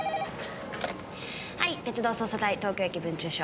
はい鉄道捜査隊東京駅分駐所。